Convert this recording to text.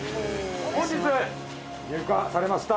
本日入荷されました